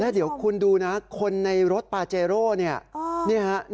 แล้วเดี๋ยวคุณดูค่ะเพื่อนรถปาเจโร่เนี่ย